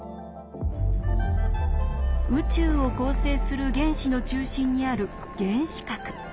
宇宙を構成する原子の中心にある原子核。